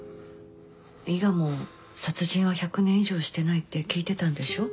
伊賀も殺人は１００年以上してないって聞いてたんでしょう？